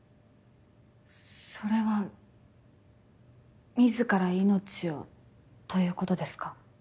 それは自ら命をということですか？